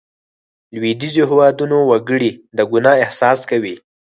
لوېدیځو هېوادونو وګړي د ګناه احساس کوي.